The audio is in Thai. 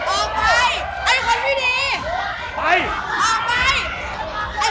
ออกไปไอ้คนไม่เจ็บใจที่นี้ไม่ต้องการตัวแกเว้ยออกไปเลยเว้ย